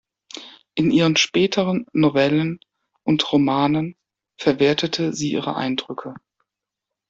In ihren späteren Novellen und Romanen verwertete sie ihre Eindrücke.